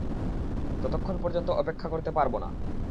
ততক্ষণ পর্যন্ত অপেক্ষা করতে পারবো না।